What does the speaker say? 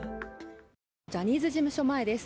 ジャニーズ事務所前です